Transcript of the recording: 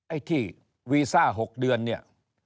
ไอ้ที่วีซ่า๖เดือนเนี่ย